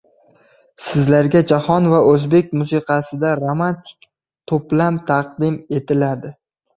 Sizlarga jahon va oʻzbek musiqasidan romantik toʻplam taqdim etiladi.